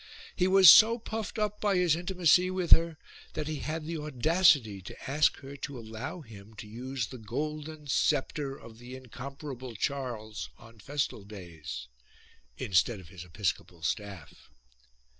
He was so puffed up by his intimacy with her that he had the audacity to ask her to allow him to use the golden sceptre of the incomparable Charles on festal days instead of his 82 THE SCEPTRE AS CROZIER episcopal stafF.